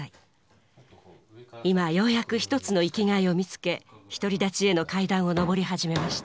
今ようやく一つの生きがいを見つけ独り立ちへの階段を上り始めました。